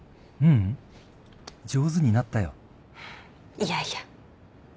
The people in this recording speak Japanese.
いやいや。